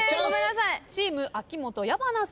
チーム秋元矢花さん。